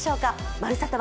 「まるサタ」